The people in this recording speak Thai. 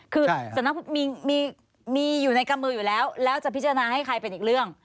คือสำนักมีอยู่ในกระมืออยู่แล้วแล้วจะพิจารณาให้ใครเป็นอีกเรื่อง